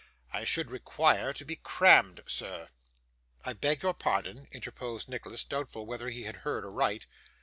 I should require to be crammed, sir.' 'I beg your pardon,' interposed Nicholas, doubtful whether he had heard aright.